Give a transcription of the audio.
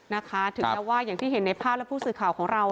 นะคะถึงแม้ว่าอย่างที่เห็นในภาพและผู้สื่อข่าวของเรา